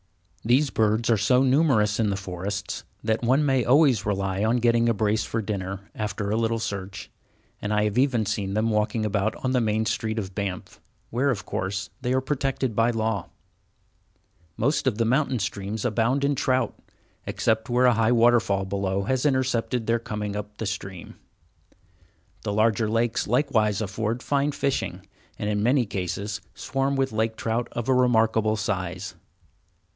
These birds are so numerous in the forests that one may always rely on getting a brace for dinner, after a little search, and I have even seen them walking about on the main street of Banff, where, of course, they are protected by law. Most of the mountain streams abound in trout, except where a high waterfall below has intercepted their coming up the stream. The larger lakes likewise afford fine fishing, and in many cases swarm with lake trout of a remarkable size.